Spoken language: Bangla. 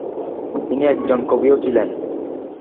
তিনি একজন কবিও ছিলেন।